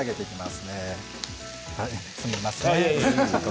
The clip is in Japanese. すみません。